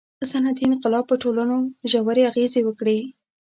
• صنعتي انقلاب په ټولنو ژورې اغېزې وکړې.